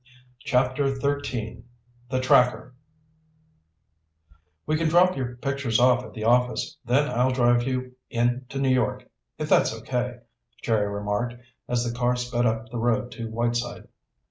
CHAPTER XIII The Tracker "We can drop your pictures off at the office, then I'll drive you in to New York, if that's okay," Jerry remarked, as the car sped up the road to Whiteside.